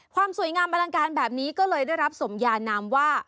ความสวยงามอลังการแบบนี้ก็เลยได้รับสมยานามว่า